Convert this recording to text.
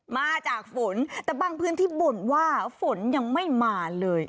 มาจากฝนแต่บางพื้นที่บ่นว่าฝนยังไม่มาเลย